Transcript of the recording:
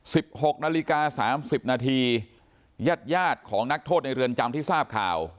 หกนาฬิกาสามสิบนาทีญาติญาติของนักโทษในเรือนจำที่ทราบข่าว